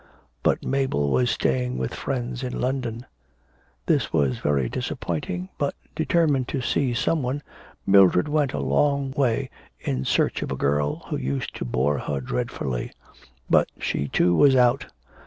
But Mabel was staying with friends in London. This was very disappointing, but determined to see some one Mildred went a long way in search of a girl who used to bore her dreadfully. But she too was out.